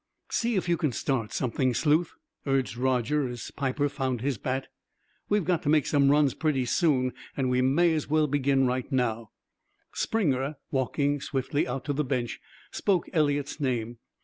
"See if you can't start something, Sleuth," urged Roger as Piper found his bat. "We've got to make some runs pretty soon, and we may as well begin now." Springer, walking swiftly out to the bench, spoke Eliot's name.